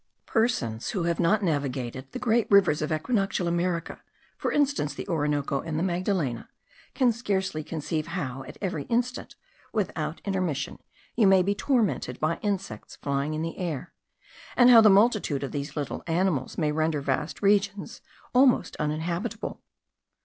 Persons who have not navigated the great rivers of equinoctial America, for instance, the Orinoco and the Magdalena, can scarcely conceive how, at every instant, without intermission, you may be tormented by insects flying in the air; and how the multitude of these little animals may render vast regions almost uninhabitable.